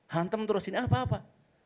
hantam terus ini apa apa